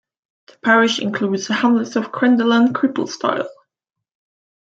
The parish includes the hamlets of Crendell and Cripplestyle.